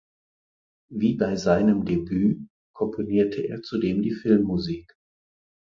Wie bei seinem Debüt komponierte er zudem die Filmmusik.